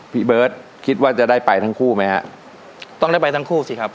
พี่เบิร์ตคิดว่าจะได้ไปทั้งคู่ไหมฮะต้องได้ไปทั้งคู่สิครับ